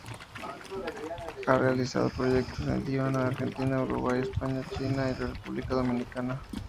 Ha realizado proyectos en el Líbano, Argentina, Uruguay, España, China y la República Dominicana.